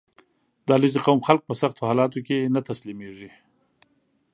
• د علیزي قوم خلک په سختو حالاتو کې نه تسلیمېږي.